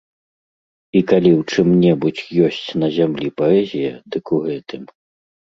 І калі ў чым-небудзь ёсць на зямлі паэзія, дык у гэтым.